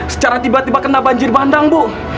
secara tiba tiba kena banjir bandang bu